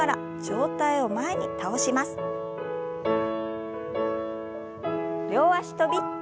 両脚跳び。